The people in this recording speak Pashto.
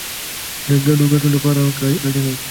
د ګډو ګټو لپاره همکاري اړینه ده.